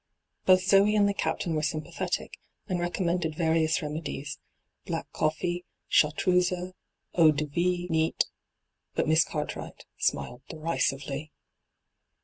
Both Zoe and the Captain were sym pathetic, and recommended various remedies — ^black coffee, chartreuse, eau de vie neat — but Miss Cartwright smiled derisively.